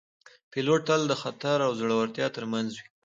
پیلوټ تل د خطر او زړورتیا ترمنځ وي